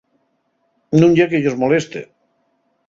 Nun ye que-yos moleste.